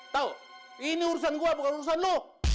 tau ini urusan gua bukan urusan lo